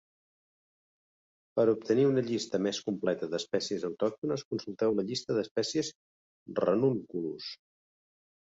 Per obtenir una llista més completa d'espècies autòctones, consulteu la llista d'espècies "Ranunculus".